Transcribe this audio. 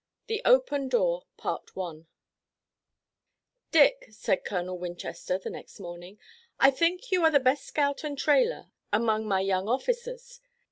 THE OPEN DOOR "Dick," said Colonel Winchester the next morning, "I think you are the best scout and trailer among my young officers.